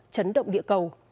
chấn động địa cầu